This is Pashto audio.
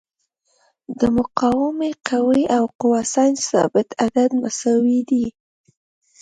د مقاومې قوې او قوه سنج ثابت عدد مساوي دي.